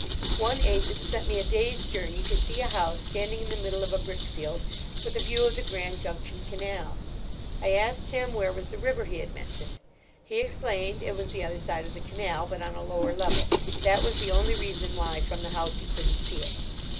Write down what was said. "One agent sent me a day's journey to see a house standing in the middle of a brickfield, with a view of the Grand Junction Canal. I asked him where was the river he had mentioned. He explained it was the other side of the canal, but on a lower level; that was the only reason why from the house you couldn't see it.